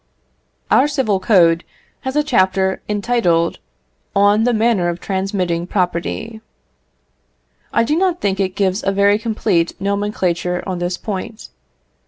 Our civil code has a chapter entitled, "On the manner of transmitting property." I do not think it gives a very complete nomenclature on this point.